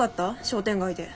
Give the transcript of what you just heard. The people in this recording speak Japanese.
商店街で。